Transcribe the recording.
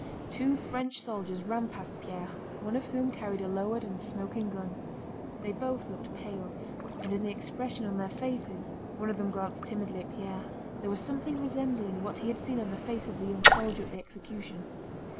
Two French soldiers ran past Pierre, one of whom carried a lowered and smoking gun. They both looked pale, and in the expression on their faces—one of them glanced timidly at Pierre—there was something resembling what he had seen on the face of the young soldier at the execution.